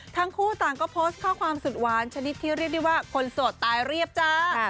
ทั้งคู่ต่างก็โพสต์ข้อความสุดหวานชนิดที่เรียกได้ว่าคนโสดตายเรียบจ้า